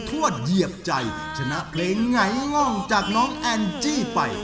ทวดเหยียบใจชนะเพลงไหนง่องจากน้องแอนจี้ไป